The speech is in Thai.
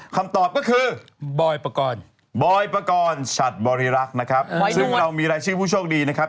คำตอบก็คือบอยปกรณ์บอยปกรณ์ฉัดบริรักษ์นะครับซึ่งเรามีรายชื่อผู้โชคดีนะครับ